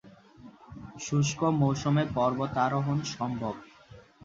শুষ্ক মৌসুমে পর্বতারোহণ সম্ভব।